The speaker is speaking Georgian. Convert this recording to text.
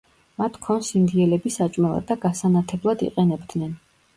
მათ ქონს ინდიელები საჭმელად და გასანათებლად იყენებდნენ.